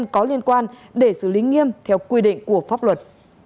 có liên quan để xử lý nghiêm theo quy định của pháp luật